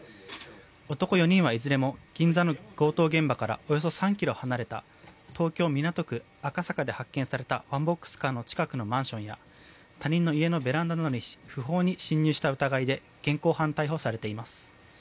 男４人はいずれも銀座の強盗現場からおよそ３ｋｍ離れた東京・港区赤坂で発見されたワンボックスカーの近くのマンションや他人の家のベランダなどに不法に侵入した疑いで現行犯逮捕されています。